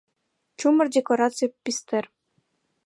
Чумыр декораций пистер.